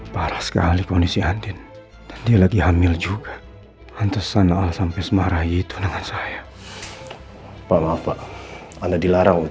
bapak saya hanya mau lihat kondisinya andin